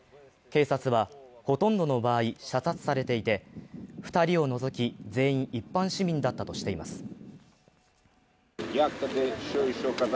警察は、ほとんどの場合、射殺されていて２人を除き、全員一般市民だったとしています。